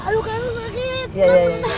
kalian ngerti j detalan apa